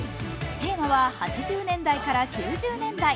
テーマは８０年代から９０年代。